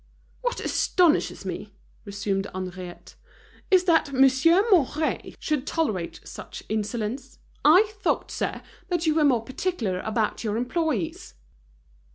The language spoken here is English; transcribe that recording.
"What astonishes me," resumed Henriette, "is that Monsieur Mouret should tolerate such insolence. I thought, sir, that you were more particular about your employees."